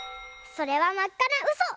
それはまっかなうそ！